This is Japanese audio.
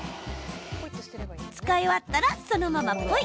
使い終わったらそのままポイ。